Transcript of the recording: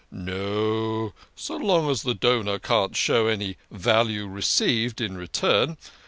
"No, so long as the donor can't show any 'value re ceived ' in return.